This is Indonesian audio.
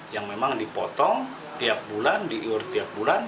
yang memang dipotong tiap bulan diiur tiap bulan